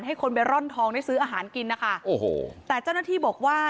ให้คนไปร่อนทองได้ซื้ออาหารกินนะคะโอ้โหแต่เจ้าหน้าที่บอกว่า